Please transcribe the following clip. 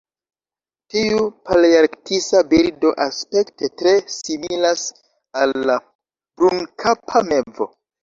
Tiu palearktisa birdo aspekte tre similas al la brunkapa mevo.